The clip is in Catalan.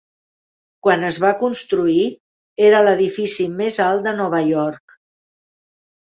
Quan es va construir, era l'edifici més alt de Nova York.